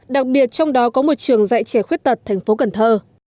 đặc biệt trong đó có một trường dạy trẻ khuyết tật thành phố cần thơ